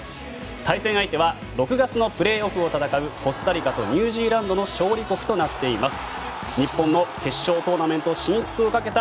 対戦相手は６月のプレーオフを戦うコスタリカとニュージーランドの勝利国となっています。